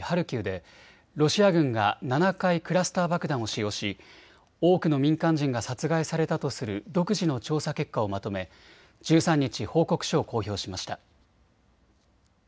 ハルキウでロシア軍が７回クラスター爆弾を使用し多くの民間人が殺害されたとする独自の調査結果をまとめ１３日、報告書を公表しました。